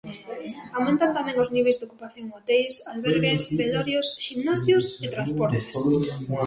Aumentan tamén os niveis de ocupación en hoteis, albergues, velorios, ximnasios e transportes.